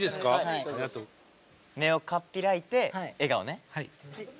目をかっぴらいて笑顔ね。